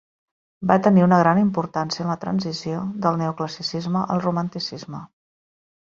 Va tenir una gran importància en la transició del Neoclassicisme al Romanticisme.